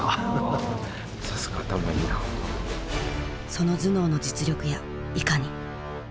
その頭脳の実力やいかに？